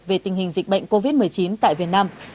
về tình hình dịch bệnh covid một mươi chín tại việt nam